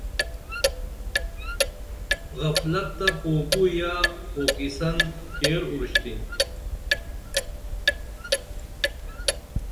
غفلت تہ کوکوئییہ کوکیسن کیر اُروشتِن